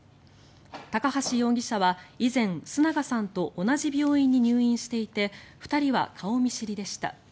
高橋容疑者は以前須永さんと同じ病院に入院していて２人は顔見知りでした。